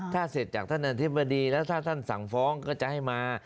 ถ้าเสร็จจากท่านอธิบดีแล้วถ้าท่านสั่งฟ้องก็จะให้มา